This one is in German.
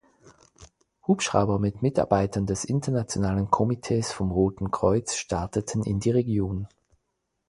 Hubschrauber mit Mitarbeitern des Internationalen Komitees vom Roten Kreuz starteten in die Region.